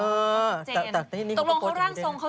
เออแต่ตรงรองเขาร่างทรงเขาส่งเพื่อน